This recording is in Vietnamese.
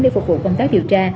để phục vụ công tác điều tra